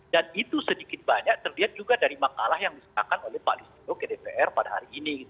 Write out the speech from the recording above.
dan itu sedikit banyak terdapat juga dari makalah yang diserahkan oleh pak listio ke dpr pada hari ini